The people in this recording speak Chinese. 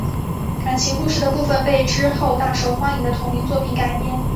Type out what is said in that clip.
感情故事的部分被之后大受欢迎的同名作品改编。